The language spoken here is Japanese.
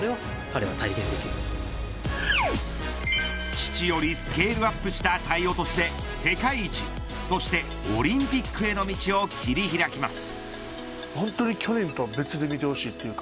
父よりスケールアップした体落で世界一、そしてオリンピックへの道を切り開きます。